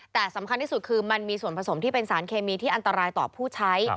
แต่สำคัญที่สุดคือมันมีส่วนผสมที่เป็นสารเคมีที่อันตรายต่อผู้ใช้